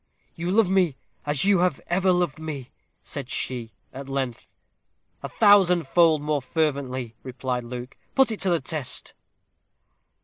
"You love me as you have ever loved me?" said she, at length. "A thousand fold more fervently," replied Luke; "put it to the test."